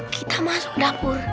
kita masuk dapur